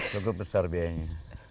cukup besar biayanya